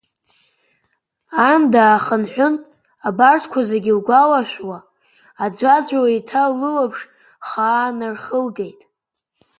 Ан даахынҳәын, абарҭқәа зегьы лгәаларшәауа, аӡәаӡәала еиҭа лылаԥш хаа нархылгеит.